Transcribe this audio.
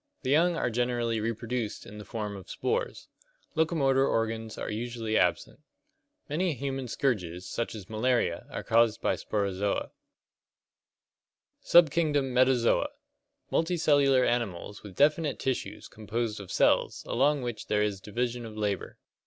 The young are generally reproduced in the form of spores. Locomotor organs usually absent. Many human scourges, such as malaria, are caused by Sporozoa. Subkingdom metazoa (Gr. ftcra, after, and £oW, animal). Mul ticellular animals with definite tissues composed of cells, among which there is division of labor.